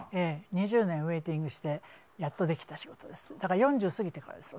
２０年、ウエイティングしてやっとできた仕事なので４０過ぎてからです。